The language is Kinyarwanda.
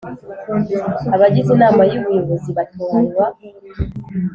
Abagize inama y ubuyobozi batoranywa